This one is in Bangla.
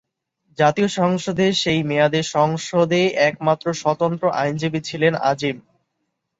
জাতীয় সংসদে সেই মেয়াদে সংসদে একমাত্র স্বতন্ত্র আইনজীবী ছিলেন আজিম।